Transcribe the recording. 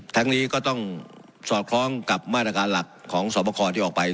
ทั้งนี้ก็ต้องสอดคล้องกับมาตรการหลักของสวบคอที่ออกไป